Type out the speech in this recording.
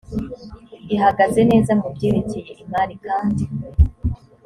ihagaze neza mu byerekeye imari kandi